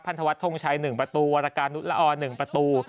พันธวัฒน์ท่องชัย๑ประตูวรการนุฬออร๑ประตู